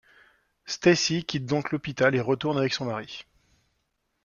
Stacy quitte donc l'hôpital et retourne avec son mari.